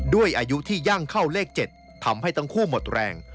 ด้วยอายุที่ยั่งเข้าเลข๗ทำให้ทั้งคู่หมดแรง